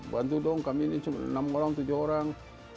bantu dong kami ini cuma enam orang tujuh orang